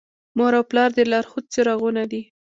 مور او پلار د لارښود څراغونه دي.